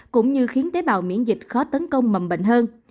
cũng như khiến tế bào miễn dịch khó tấn công mầm bệnh hơn